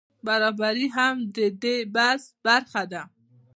برابري هم د دې بحث برخه ده.